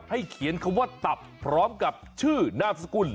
เขียนคำว่าตับพร้อมกับชื่อนามสกุล